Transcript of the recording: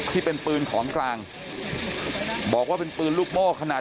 ที่เป็นปืนของกลางบอกว่าเป็นปืนลูกโม่ขนาด